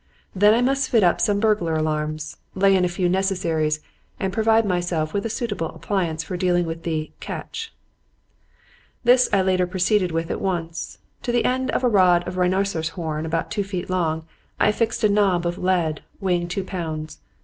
Then I must fit up some burglar alarms, lay in a few little necessaries and provide myself with a suitable appliance for dealing with the 'catch.' "This latter I proceeded with at once. To the end of a rod of rhinoceros horn about two feet long I affixed a knob of lead weighing two pounds.